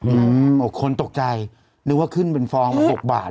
อกคนตกใจนึกว่าขึ้นเป็นฟองมาหกบาท